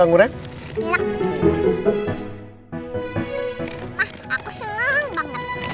ma aku senang banget